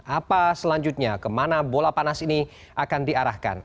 apa selanjutnya kemana bola panas ini akan diarahkan